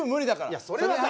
いやそれはさ。